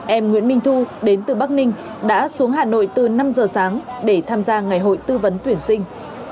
em nguyễn minh thu đến từ bắc ninh đã xuống hà nội từ năm giờ sáng để tham gia ngày hội tư vấn tuyển sinh